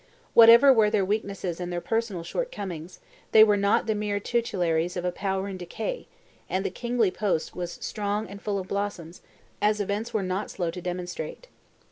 Whatever were their weaknesses and their personal short comings, they were not the mere titularies of a power in decay, and the kingly post was strong and full of blossoms, as events were not slow to demonstrate.